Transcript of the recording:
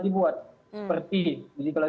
dibuat seperti di kelas